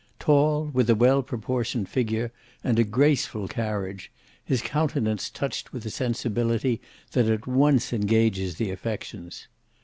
Tall, with a well proportioned figure and a graceful carriage, his countenance touched with a sensibility that at once engages the affections.